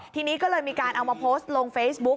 ทีนี้ก็เลยมีการเอามาโพสต์ลงเฟซบุ๊ก